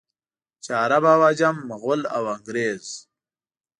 چې عرب او عجم، مغل او انګرېز.